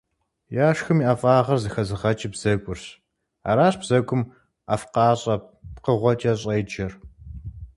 Яшхым и ӀэфӀагъыр зэхэзыгъэкӀыр бзэгурщ, аращ бзэгум ӀэфӀкъащӀэ пкъыгъуэкӀэ щӀеджэр.